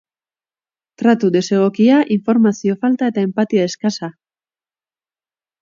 Tratu desegokia, informazio falta edo enpatia eskasa.